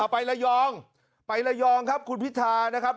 ไประยองไประยองครับคุณพิธานะครับ